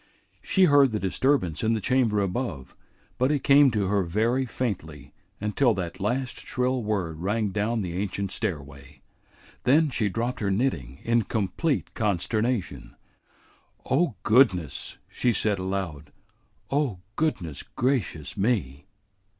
She heard the disturbance in the chamber above, but it came to her very faintly until that last shrill word rang down the ancient stairway. Then she dropped her knitting in complete consternation. "Oh, goodness!" she said aloud. "Oh, goodness gracious me!"